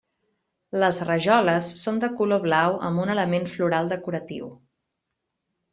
Les rajoles són de color blau amb un element floral decoratiu.